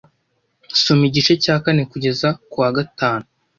Soma igice cya kane kugeza kuwa gatanu.